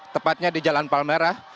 tepatnya di jalan palmerah